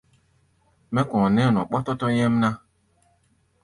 Mɛ́ kɔ̧ɔ̧ nɛ́ɛ́ nɔ ɓɔ́tɔ́tɔ́ nyɛ́mná.